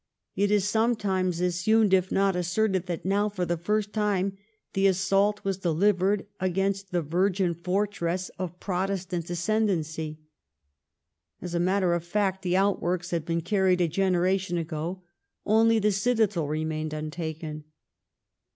It is sometimes assumed, if not asserted, that now for the first time the assault was delivered against the virgin fortress of Protestant ascendancy. As a matter of fact, the outworks had been carried a generation ago ; only the citadel remained untaken.